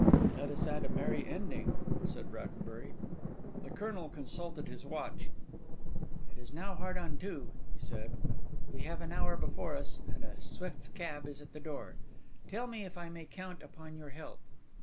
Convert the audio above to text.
"And let us add a merry ending," said Brackenbury. The Colonel consulted his watch. "It is now hard on two," he said. "We have an hour before us, and a swift cab is at the door. Tell me if I may count upon your help."